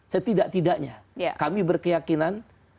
setidak tidaknya kami berkeyakinan